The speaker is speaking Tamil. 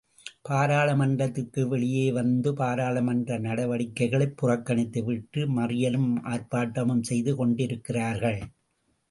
பாராளுமன்றத்திற்கு வெளியே வந்து பாராளுமன்ற நடவடிக்கைகளைப் புறக்கணித்துவிட்டு மறியலும் ஆர்ப்பாட்டமும் செய்து கொண்டிருக்கிறார்கள்.